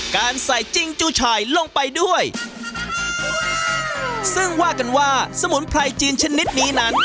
การใส่จิ้งจูชายลงไปด้วยซึ่งว่ากันว่าสมุนไพรจีนชนิดนี้นั้น